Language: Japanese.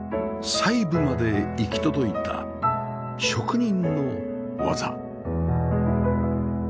細部まで行き届いた職人の技